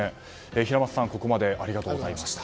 平松さん、ここまでありがとうございました。